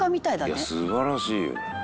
「いやあ素晴らしいよね」